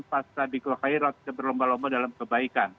pas tadi kelakai roti berlomba lomba dalam kebaikan